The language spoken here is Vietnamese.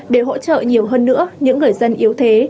để hỗ trợ nhiều hơn nữa những người dân yếu thế